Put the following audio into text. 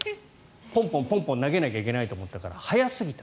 ポンポン投げなきゃいけないと思ったから早すぎた。